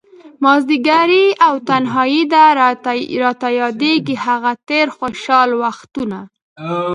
مازديګری او تنهائي ده، راته ياديږي هغه تير خوشحال وختونه